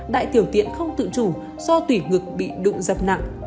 đại tiểu tiện không tự chủ do tùy ngực bị đụng dập nặng